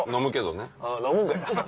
飲むんかい。